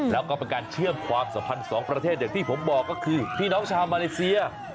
แล้วก็เป็นการเชื่อมความสัมพันธ์สองประเทศอย่างที่ผมบอกก็คือพี่น้องชาวมาเลเซีย